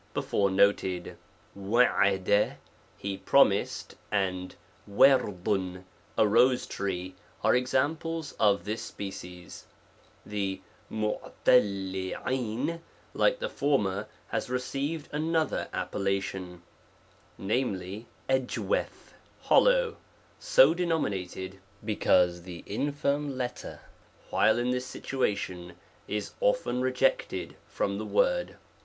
before notecL ACJ lie ' promised, and o^/a rose tree, are examples of this s 9*'Q 9 species. The tf A.* JUUM , like the former, has rer ceived another appellation, viz. C 3^J hollow, so denominated, because the infirm letter, while in this situation, is often rejected from the word.